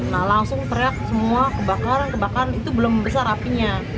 nah langsung teriak semua kebakaran kebakaran itu belum besar apinya